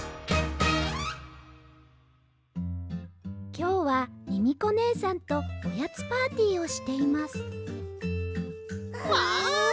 きょうはミミコねえさんとおやつパーティーをしていますわあ！